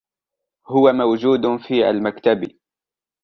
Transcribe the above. هو موجودٌ في المكتَب.